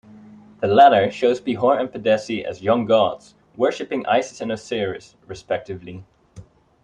The latter shows Pihor and Pedesi as young gods worshiping Isis and Osiris respectively.